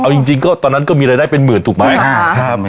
เอาจริงก็ตอนนั้นก็มีรายได้เป็นหมื่นถูกไหม